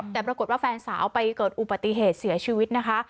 แต่ปรากฏว่าแฟนสาวไปเกิดอุบัติเหตุเสียชีวิตนะคะ